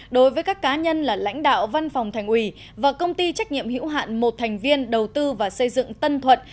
đối với các cá nhân là lãnh đạo văn phòng thành ủy và công ty trách nhiệm hữu hạn một thành viên đầu tư và xây dựng tân thuận